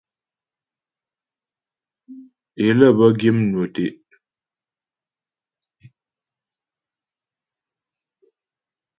É lə́ bə́ gyə̂ mnwə tɛ́'.